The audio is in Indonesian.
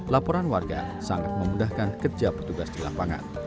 laporan warga sangat memudahkan kerja petugas di lapangan